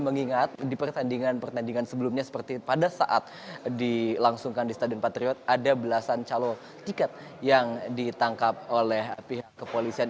mengingat di pertandingan pertandingan sebelumnya seperti pada saat dilangsungkan di stadion patriot ada belasan calon tiket yang ditangkap oleh pihak kepolisian